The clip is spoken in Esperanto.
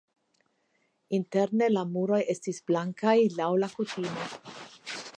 Interne la muroj estis blankaj laŭ la kutimoj.